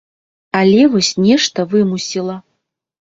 Але вось нешта вымусіла.